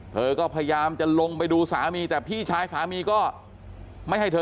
เธอก็พยายามจะลงไปดูสามีแต่พี่ชายสามีก็ไม่ให้เธอ